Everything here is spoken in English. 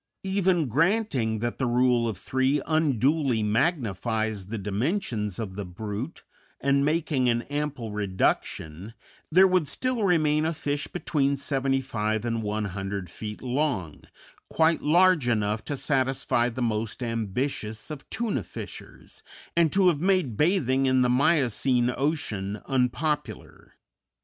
Even granting that the rule of three unduly magnifies the dimensions of the brute, and making an ample reduction, there would still remain a fish between seventy five and one hundred feet long, quite large enough to satisfy the most ambitious of tuna fishers, and to have made bathing in the Miocene ocean unpopular.